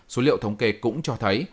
số liệu thống kê cũng cho thấy